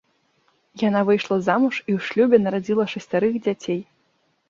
Яна выйшла замуж і ў шлюбе нарадзіла шасцярых дзяцей.